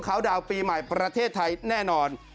เขาดาวน์ปีใหม่ประเทศไทยแน่นอน